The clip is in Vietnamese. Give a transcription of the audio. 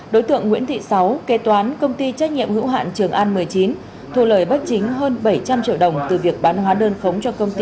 đối tượng nguyễn thị sáu kế toán công ty trách nhiệm hữu hạn trường an một mươi chín thu lời bất chính hơn bảy trăm linh triệu đồng từ việc bán hóa đơn khống cho công ty